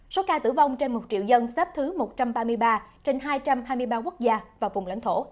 số ca tử vong trên một triệu dân xếp thứ một trăm ba mươi ba trên hai trăm hai mươi ba quốc gia và vùng lãnh thổ